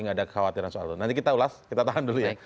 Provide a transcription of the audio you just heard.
nanti kita ulas kita tahan dulu ya